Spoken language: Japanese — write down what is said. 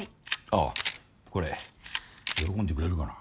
あこれ喜んでくれるかな。